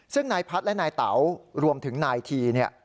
ซึ่งนายพัฒน์และนายเต๋ารวมถึงนายทีเนี่ย